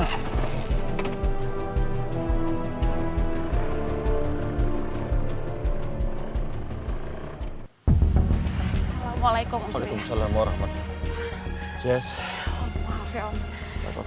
assalamualaikum waalaikumsalam warahmatullah